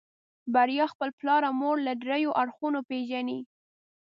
بريا خپل پلار او مور له دريو اړخونو پېژني.